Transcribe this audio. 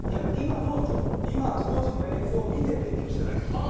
今、当時の映像を見て勉強してたりするんですよ